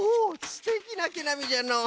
すてきなけなみじゃのう。